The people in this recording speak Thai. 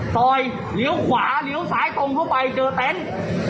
สอยเหลียวขวาเหลียวสายส่งเข้าไปเจอเตนทร์